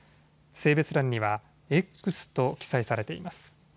性別欄にはＸと記載されています。